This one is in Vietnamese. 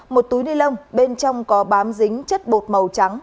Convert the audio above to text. một túi ni lông bên trong có bám dính chất bột màu trắng